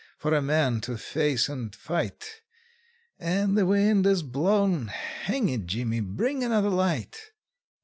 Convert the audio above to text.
For a man to face and fight; And the wind is blowin' Hang it, Jimmy, bring another light!